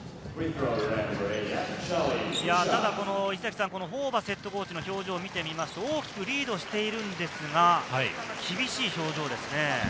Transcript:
ただ、このホーバスＨＣの表情を見てみますと、大きくリードしているんですが厳しい表情ですね。